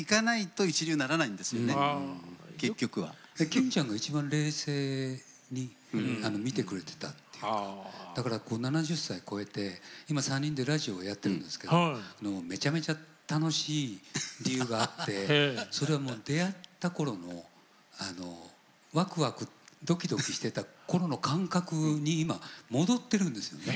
キンちゃんが一番冷静に見てくれてたっていうかだから７０歳越えて今３人でラジオをやっているんですけどめちゃめちゃ楽しい理由があってそれはもう出会った頃のワクワクドキドキしてた頃の感覚に今戻ってるんですよね。